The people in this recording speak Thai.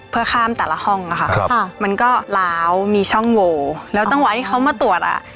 เพื่อข้ามแต่ละห้องอะค่ะครับค่ะมันก็ล้าวมีช่องโวแล้วจังหวะที่เขามาตรวจอ่ะ